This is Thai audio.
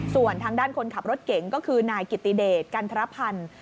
ส่วนทางด้านคนขับรถเก๋งก็คือนายกิติเดชกันธรพันธ์